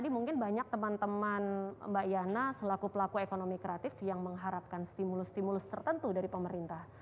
mungkin banyak teman teman mbak yana selaku pelaku ekonomi kreatif yang mengharapkan stimulus stimulus tertentu dari pemerintah